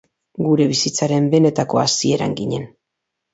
Gure bizitzaren benetako hasieran ginen.